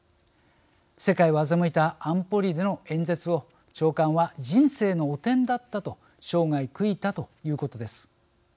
世界を欺いた安保理での演説を長官は、人生の汚点だったと生涯悔いたということです。